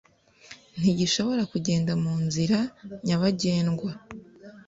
ntigishobora kugenda mu nzira nyabagendwa